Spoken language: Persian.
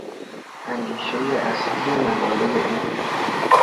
اندیشهی اصلی مقالهی او